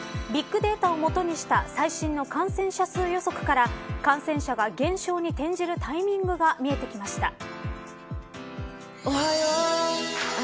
ビッグデータを基にした最新の感染者数予測から感染者が減少に転じるタイミングが見えてきました。